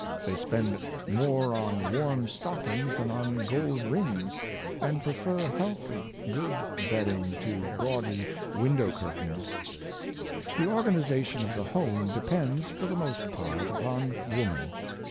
They spend more on warm stockings than on gold rings, and prefer healthy, good bedding to gaudy window curtains. The organization of the home depends, for the most part, upon woman.